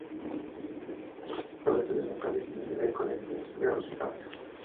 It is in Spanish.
Prado estudió en París en la "École des Beaux-Arts".